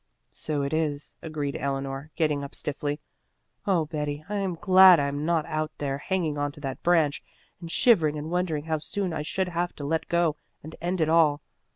"So it is," agreed Eleanor, getting up stiffly. "Oh, Betty, I am glad I'm not out there hanging on to that branch and shivering and wondering how soon I should have to let go and end it all.